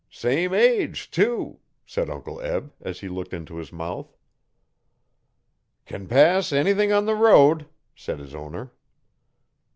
'Same age, too,' said Uncle Eb, as he looked into his mouth. 'Can pass anything on the road,' said his owner.